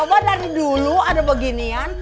iya anak anak coba dari dulu ada begini ya